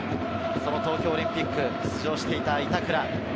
東京オリンピック出場していた板倉。